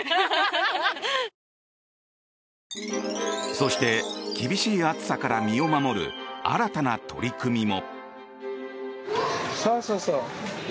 そして、厳しい暑さから身を守る新たな取り組みも。